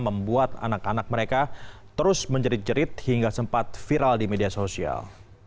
membuat anak anak mereka terus menjerit jerit hingga sempat viral di media sosial